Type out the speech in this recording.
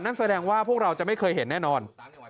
นั่นแสดงว่าพวกเราจะไม่เคยเห็นแน่นอน